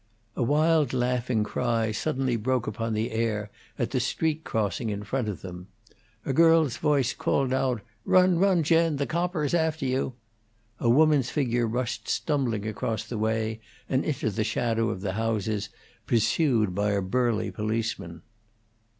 A wild laughing cry suddenly broke upon the air at the street crossing in front of them. A girl's voice called out: "Run, run, Jen! The copper is after you." A woman's figure rushed stumbling across the way and into the shadow of the houses, pursued by a burly policeman.